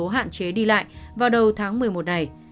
hạn chế đi lại vào đầu tháng một mươi một này